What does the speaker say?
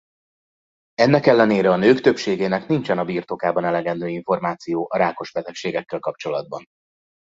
Ennek ellenére a nők többségének nincsen a birtokában elegendő információ a rákos betegségekkel kapcsolatban.